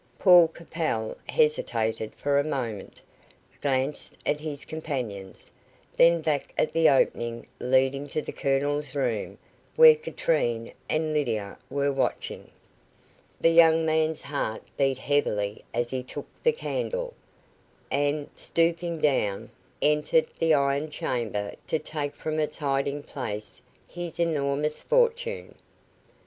Paul Capel hesitated for a moment, glanced at his companions, then back at the opening leading to the Colonel's room, where Katrine and Lydia were watching. The young man's heart beat heavily as he took the candle, and, stooping down, entered the iron chamber to take from its hiding place his enormous fortune.